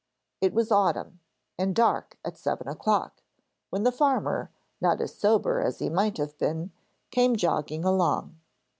It was autumn, and dark at seven o'clock, when the farmer, not as sober as he might have been, came jogging along.